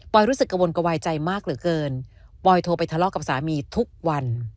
รู้สึกกระวนกระวายใจมากเหลือเกินปอยโทรไปทะเลาะกับสามีทุกวัน